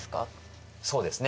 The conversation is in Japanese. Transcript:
そうですね。